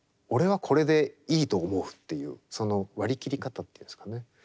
俺はこれでいいと思うっていうその割り切り方というんですかね